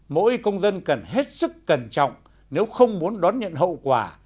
mỗi công dân cần hết sức cẩn trọng nếu không muốn đón nhận hậu quả